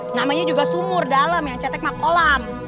namanya juga sumur dalam yang cetek sama kolam